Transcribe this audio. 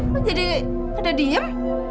lo jadi kagak diem